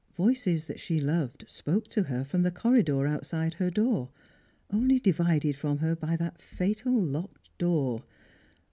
Voices that she loved spoke to her from the corridor outside her door, only divided from her by that fatal locked door.